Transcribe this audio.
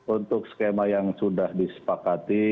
untuk skema yang sudah disepakati